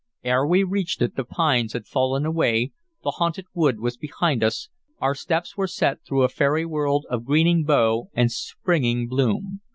Ere we reached it the pines had fallen away, the haunted wood was behind us, our steps were set through a fairy world of greening bough and springing bloom.